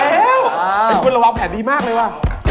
ไอ้คุณระวังแผ่นดีมากเลยว่ะ